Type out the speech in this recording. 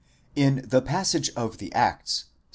In the passage'of the Acts, Ps.